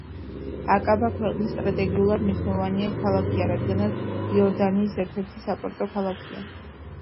აკაბა ქვეყნის სტრატეგიულად მნიშვნელოვანია ქალაქია, რადგანაც, იორდანიის ერთადერთი საპორტო ქალაქია.